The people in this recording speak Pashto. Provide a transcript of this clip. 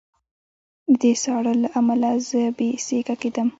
د ساړه له امله زه بې سېکه کېدم